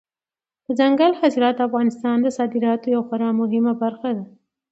دځنګل حاصلات د افغانستان د صادراتو یوه خورا مهمه برخه ده.